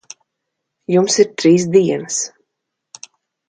Jums ir trīs dienas.